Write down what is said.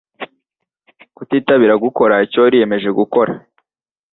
Kutitabira gukora icyo wari wiyemeje gukora.